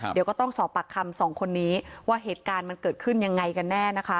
เดี๋ยวก็ต้องสอบปากคำสองคนนี้ว่าเหตุการณ์มันเกิดขึ้นยังไงกันแน่นะคะ